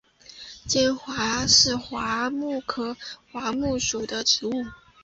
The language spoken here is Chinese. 坚桦为桦木科桦木属的植物。